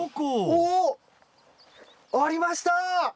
おお！ありました！